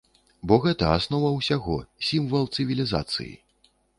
Бо гэта аснова ўсяго, сімвал цывілізацыі.